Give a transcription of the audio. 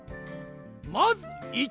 まず１！